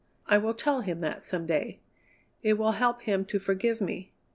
I will tell him that some day. It will help him to forgive me.